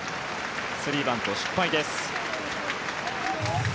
スリーバント失敗です。